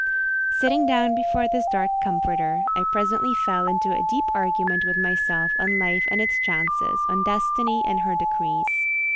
Sitting down before this dark comforter, I presently fell into a deep argument with myself on life and its chances, on destiny and her decrees.